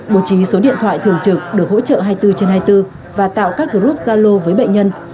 bố trí số điện thoại thường trực được hỗ trợ hai mươi bốn trên hai mươi bốn và tạo các group gia lô với bệnh nhân